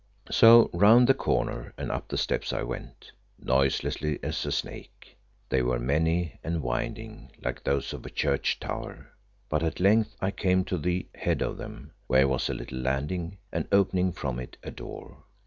So round the corner and up the steps I went, noiselessly as a snake. They were many and winding, like those of a church tower, but at length I came to the head of them, where was a little landing, and opening from it a door.